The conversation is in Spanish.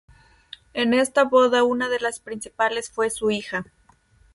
En esta boda una de las principales fue su hija.